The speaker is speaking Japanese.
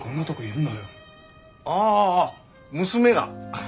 ああ娘が。